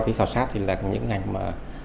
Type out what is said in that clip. cái khảo sát thì là những ngành mà